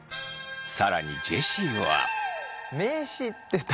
更にジェシーは。